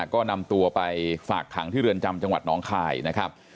ก็นำตัวไปฝากขังที่เรือนจำจังหวัดน้องคายนะครับ